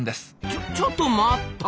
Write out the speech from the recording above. ちょちょっと待った！